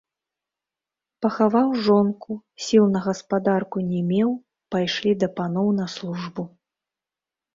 Пахаваў жонку, сіл на гаспадарку не меў, пайшлі да паноў на службу.